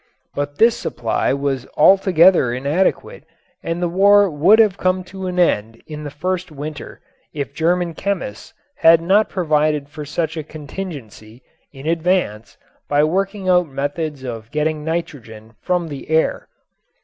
But this supply was altogether inadequate and the war would have come to an end in the first winter if German chemists had not provided for such a contingency in advance by working out methods of getting nitrogen from the air.